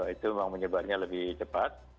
itu memang menyebarnya lebih cepat